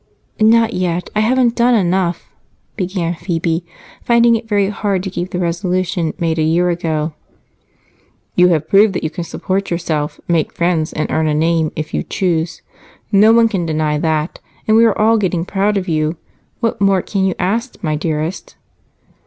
"Not yet. I haven't done enough," began Phebe, finding it very hard to keep the resolution made a year ago. "You have proved that you can support yourself, make friends, and earn a name, if you choose. No one can deny that, and we are all getting proud of you. What more can you ask, my dearest?"